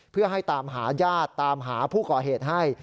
เพื่อให้ตามหาญาติตามหาผู้ก่อเหตุให้